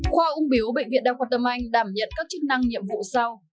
khoa ung biếu bệnh viện đa khoa tâm anh đảm nhận các chức năng nhiệm vụ sau